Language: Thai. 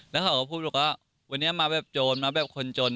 แล้วเขาก็พูดบอกว่าวันนี้มาแบบโจรมาแบบคนจน